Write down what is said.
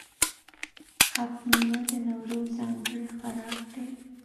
هفت میوه د نوروز ځانګړی خوراک دی.